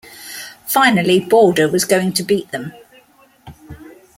Finally Border was going to beat them.